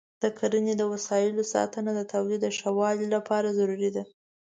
د کرنې د وسایلو ساتنه د تولید د ښه والي لپاره ضروري ده.